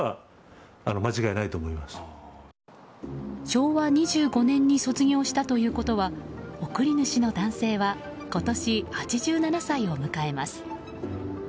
昭和２５年に卒業したということは贈り主の男性は今年８７歳を迎えます。